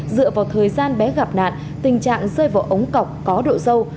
dựa vào thời gian bé gặp nạn tình trạng rơi vào ống cọc có độ dâu